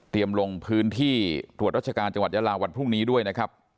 ลงพื้นที่ตรวจราชการจังหวัดยาลาวันพรุ่งนี้ด้วยนะครับ